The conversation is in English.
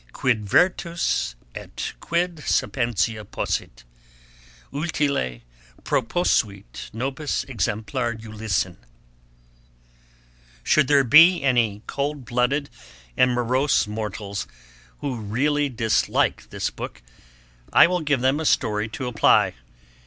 ' Quid virtus et quid sapientia possit, Utile proposuit nobis exemplar Ulyssen.' Should there be any cold blooded and morose mortals who really dislike this Book, I will give them a story to apply.